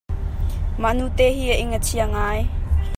Mah nute hi a ing a chia ngai.